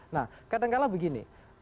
nah kadang kadang begini